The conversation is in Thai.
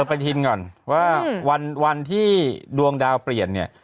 ปฏิทินก่อนว่าวันที่ดวงดาวเปลี่ยนเนี่ย